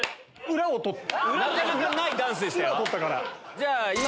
なかなかないダンスでしたよ。